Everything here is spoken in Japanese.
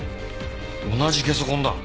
同じゲソ痕だ。